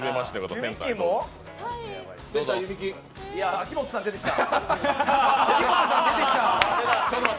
秋元さん、出てきた。